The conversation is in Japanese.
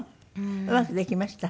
うまくできました？